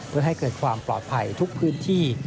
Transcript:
เพื่อให้เกิดความปลอดภัยทุกพื้นที่